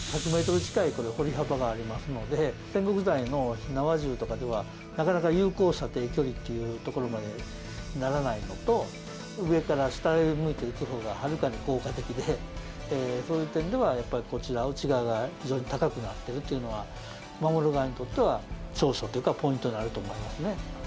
１００ｍ近い堀幅がありますので戦国時代の火縄銃とかではなかなか、有効射程距離っていうところまでならないのと上から下へ向いて撃つ方がはるかに効果的でそういう点ではやっぱり、こちら内側が非常に高くなってるっていうのは守る側にとっては長所というかポイントになると思いますね。